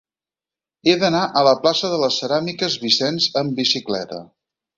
He d'anar a la plaça de les Ceràmiques Vicens amb bicicleta.